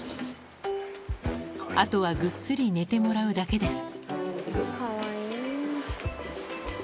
あとはぐっすり寝てもらうだけです